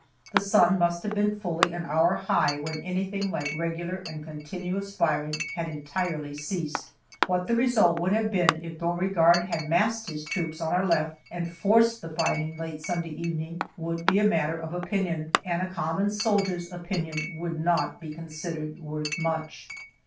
The sun must have been fully an hour high when anything like regular and continuous firing had entirely ceased. What the result would have been if Beauregard had massed his troops on our left and forced the fighting late Sunday evening would be a matter of opinion, and a common soldier's opinion would not be considered worth much.